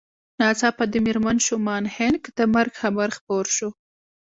ناڅاپه د مېرمن شومان هينک د مرګ خبر خپور شو